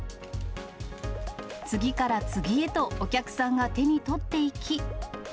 次から次へとお客さんが手に取っていき。